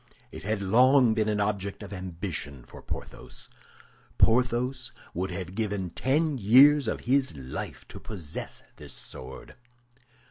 It had long been an object of ambition for Porthos. Porthos would have given ten years of his life to possess this sword.